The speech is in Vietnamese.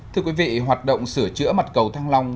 thưa quý vị hoạt động sửa chữa mặt cầu thăng long